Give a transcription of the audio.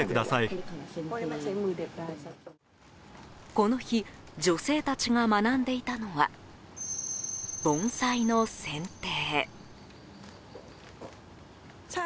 この日、女性たちが学んでいたのは盆栽の剪定。